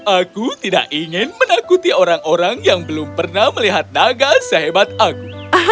aku tidak ingin menakuti orang orang yang belum pernah melihat naga sehebat aku